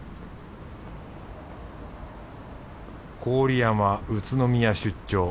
郡山宇都宮出張